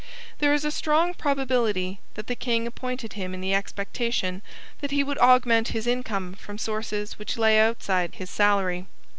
There is a strong probability that the king appointed him in the expectation that he would augment his income from sources which lay outside his salary.